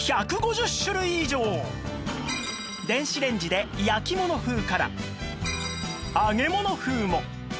電子レンジで焼き物風から揚げ物風も